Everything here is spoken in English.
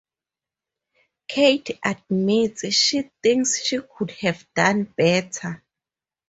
Kate admits she thinks she could have done better.